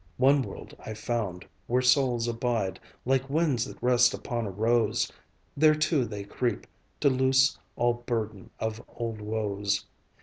One world I found, where souls abide Like winds that rest upon a rose; Thereto they creep To loose all burden of old woes.